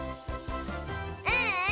ううん！